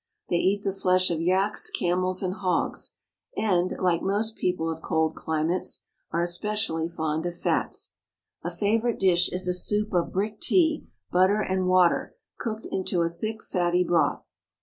They eat the flesh of yaks, camels, and hogs ; and, like most people of cold climates, are especially fond of fats. A favorite dish is a soup of brick tea, but ter and water, cooked into a thick, fatty broth.